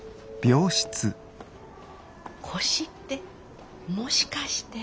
・腰ってもしかして。